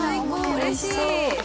うれしい！